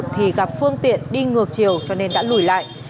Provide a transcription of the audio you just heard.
thì gặp phương tiện đi ngược chiều cho nên đã lùi lại